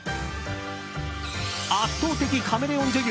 圧倒的カメレオン女優